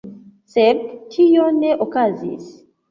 Sed tio ne okazis.